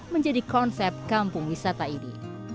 menjadi konsep kampung wisata ini